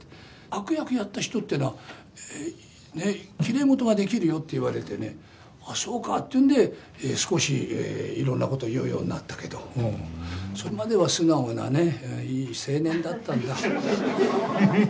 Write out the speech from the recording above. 悪役やった人っていうのは、きれいごとができるよと言われてね、あ、そうかっていうんで、少し、いろんなことを言うようになったけど、それまでは素直なね、いい青年だったんだ。